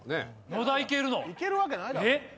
いけるわけないだろ。